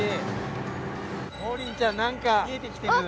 王林ちゃん何か見えて来てる。